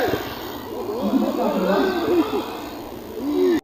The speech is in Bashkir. — Нимә тағы ла?